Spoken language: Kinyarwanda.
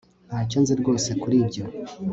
ntacyo nzi rwose kuri ibyo